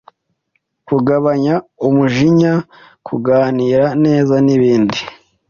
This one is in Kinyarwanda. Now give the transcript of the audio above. kugabanya umujinya, kuganira neza n’ibindi